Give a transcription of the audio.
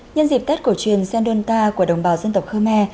nhân dịp tết cổ truyền sơn đôn ta của đồng bào dân tộc khơ me